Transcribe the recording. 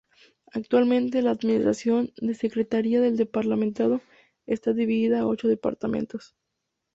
Actualmente, la administración de secretaría del parlamento está dividida a ocho departamentos.